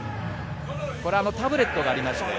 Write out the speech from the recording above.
タブレットがありまして。